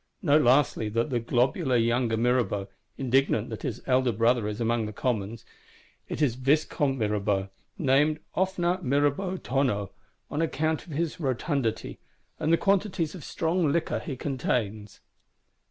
Note lastly that globular Younger Mirabeau; indignant that his elder Brother is among the Commons: it is Viscomte Mirabeau; named oftener Mirabeau Tonneau (Barrel Mirabeau), on account of his rotundity, and the quantities of strong liquor he contains.